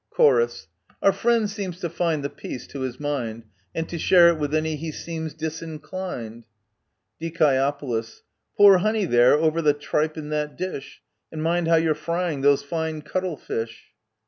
Chor. Our friend seems to find the peace to his mind, And to share it with any he seems disinclined ! Die. Pour honey, there, over the tripe in that dish ! And mind how you're frying those fine cuttle fish